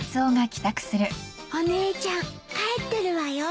お姉ちゃん帰ってるわよ。